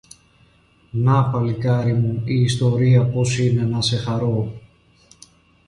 Να, παλικάρι μου, η ιστορία πώς είναι, να σε χαρώ!